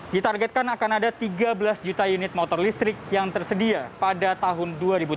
ditargetkan akan ada tiga belas juta unit motor listrik yang tersedia pada tahun dua ribu tujuh belas